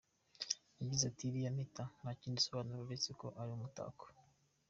Yagize ati :« Iriya mpeta ntakindi isobanura uretse ko ari umutako.